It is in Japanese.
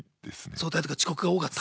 早退とか遅刻が多かった？